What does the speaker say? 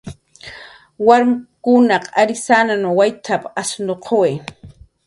Warmkunaq altarin wayt asnuquwi